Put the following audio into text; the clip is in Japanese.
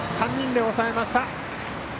３人で抑えました。